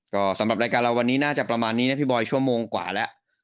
ก็สำหรับรายการเราวันนี้น่าจะประมาณนี้นะพี่บอยชั่วโมงกว่าแล้ว